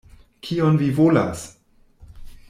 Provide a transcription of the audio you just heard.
Kion vi volas?